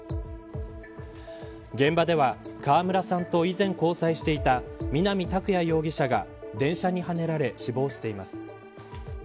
現場では川村さんと以前、交際していた南拓哉容疑者が電車に跳ねられ死亡しています。